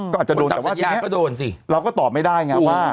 ก็อาจจะโดนแต่ทีนี้เราก็ตอบไม่ได้นะว่า